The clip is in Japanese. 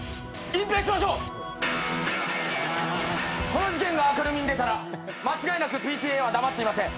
この事件が明るみに出たら間違いなくＰＴＡは黙っていません。